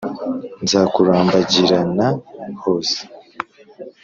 nzakurambagirana hose